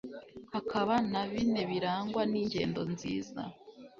hakaba na bine birangwa n'ingendo nziza